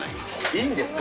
いいんですか？